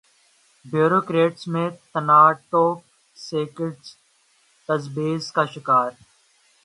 bureaucrats میں تنا اٹو سیکٹر تذبذب کا شکار